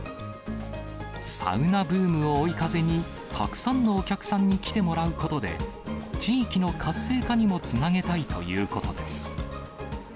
サウナブームを追い風に、たくさんのお客さんに来てもらうことで、地域の活性化にもつなげたいということです。